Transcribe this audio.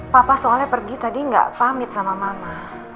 papa soalnya pergi tadi nggak pamit sama mama